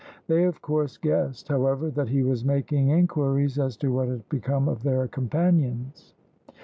They, of course, guessed, however, that he was making inquiries as to what had become of their companions.